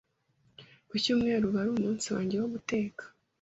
Ku cyumweru uba ari umunsi wange wo guteka